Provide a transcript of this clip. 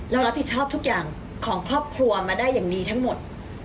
เรารับผิดชอบทุกอย่างของครอบครัวมาได้อย่างดีทั้งหมด